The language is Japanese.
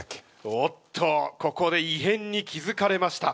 おっとここでいへんに気付かれました。